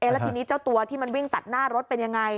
แล้วทีนี้เจ้าตัวที่มันวิ่งตัดหน้ารถเป็นยังไง